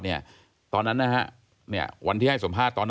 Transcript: วันที่ท่าให้สมภาษณ์